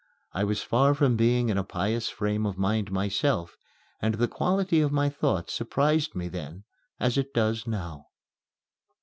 I was far from being in a pious frame of mind myself, and the quality of my thought surprised me then as it does now.